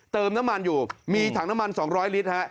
เติมน้ำมันอยู่มีถังน้ำมัน๒๐๐ลิตรฮะ